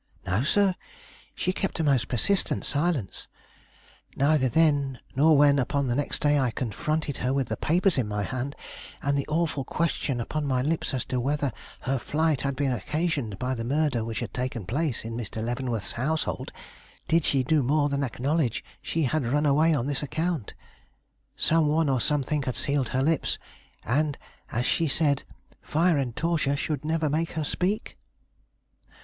"No, sir. She kept a most persistent silence. Neither then nor when, upon the next day, I confronted her with the papers in my hand, and the awful question upon my lips as to whether her flight had been occasioned by the murder which had taken place in Mr. Leavenworth's household, did she do more than acknowledge she had run away on this account. Some one or something had sealed her lips, and, as she said, 'Fire and torture should never make her speak.